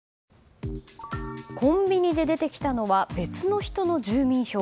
コンビニで出てきたのは別の人の住民票。